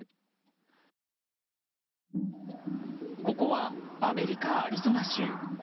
ここはアメリカ・アリゾナ州。